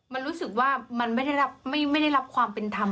มันรู้สึกว่ามันไม่ได้รับความเป็นธรรม